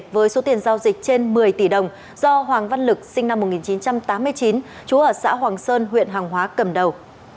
với số tiền giao dịch trên một mươi tỷ đồng do hoàng văn lực sinh năm một nghìn chín trăm tám mươi chín chú ở xã hoàng sơn huyện hàng hóa cầm đầu